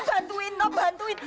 bantuin toh bantuin